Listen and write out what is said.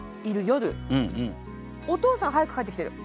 お父さん早く帰ってきてる？